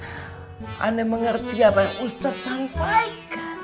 aneh mengerti apa yang ustadz sampaikan